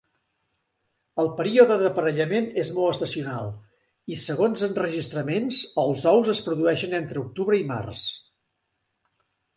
El període d'aparellament és molt estacional i, segons enregistraments, els ous es produeixen entre octubre i març.